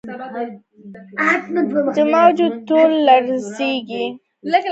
زما وجود ټوله لرزیږې ،ستا خواږه ، دنظر ټوله